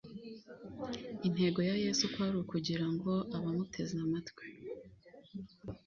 intego ya yesu kwari ukugira ngo abamuteze amatwi